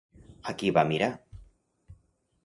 A qui va mirar?